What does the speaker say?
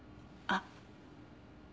あっ。